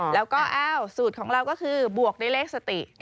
แล้วก็สูตรของเราก็คือบวกด้วยเลขสติ